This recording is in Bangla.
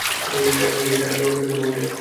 এবং, একই সাথে আমিও আপনাকে ধন্যবাদ জানাচ্ছি!